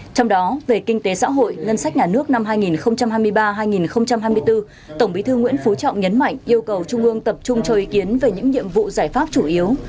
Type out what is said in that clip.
trong đó về kinh tế xã hội ngân sách nhà nước năm hai nghìn hai mươi ba hai nghìn hai mươi bốn tổng bí thư nguyễn phú trọng nhấn mạnh yêu cầu trung ương tập trung cho ý kiến về những nhiệm vụ giải pháp chủ yếu